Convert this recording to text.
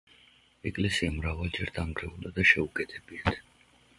ეკლესია მრავალჯერ დანგრეულა და შეუკეთებიათ.